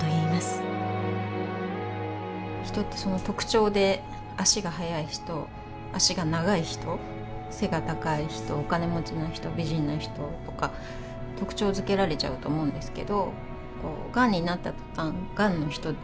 人ってその特徴で足が速い人脚が長い人背が高い人お金持ちの人美人の人とか特徴づけられちゃうと思うんですけどがんになったとたんがんの人。